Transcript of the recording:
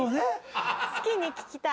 好きに聴きたい。